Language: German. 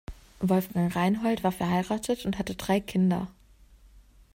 Wolfgang Reinhold war verheiratet und hatte drei Kinder.